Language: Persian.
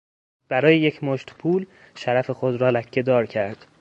برای یک مشت پول شرف خود را لکهدار کرد.